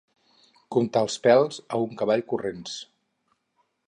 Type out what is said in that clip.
Comptar els pèls a un cavall corrents.